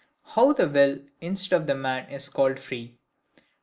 How the will instead of the man is called free.